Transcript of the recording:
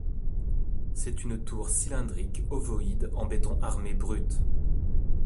C'est une tour cylindrique ovoïde en béton armé brut.